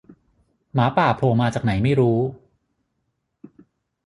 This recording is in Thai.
หมาป่าโผล่มาจากไหนไม่รู้